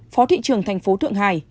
phó thị trường thành phố thượng hải